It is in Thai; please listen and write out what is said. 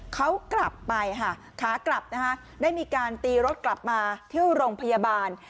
เขากลับไปค่ะขากลับนะคะได้มีการตีรถกลับมาที่โรงพยาบาล